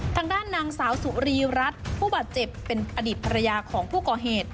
ทางด้านนางสาวสุรีรัฐผู้บาดเจ็บเป็นอดีตภรรยาของผู้ก่อเหตุ